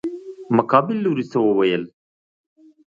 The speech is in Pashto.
مقابل لوري څه وويل.